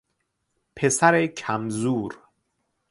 پسر کم زور